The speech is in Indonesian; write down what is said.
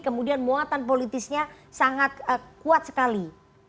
kemudian muatan politisnya sangat kuat sekali